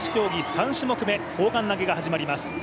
３種目目、砲丸投げが始まります。